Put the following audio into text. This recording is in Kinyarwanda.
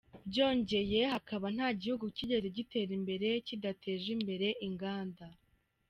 Byongeye, hakaba nta gihugu cyigeze gitera imbere kidateje imbere inganda.